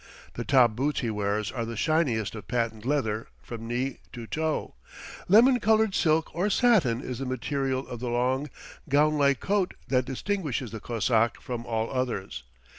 The top boots he wears are the shiniest of patent leather from knee to toe; lemon colored silk or satin is the material of the long, gown like coat that distinguishes the Cossack from all others.